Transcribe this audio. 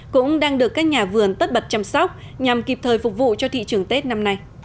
cũng đang được các nhà vườn tất bật chăm sóc nhằm kịp thời phục vụ cho thị trường tết năm nay